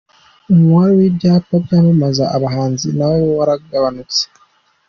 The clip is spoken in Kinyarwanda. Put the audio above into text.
Umubare w’ibyapa byamamaza abahanzi na wo waragabanutse.